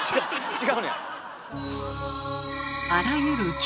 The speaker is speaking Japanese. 違うねや。